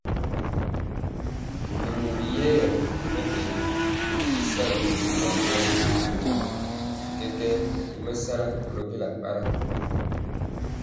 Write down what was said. Nɛ mori yɛya ri mɛtɛgɔ y sagɔ y kora boa, borom bi kɛkɛɛ tomesala kolo bela para.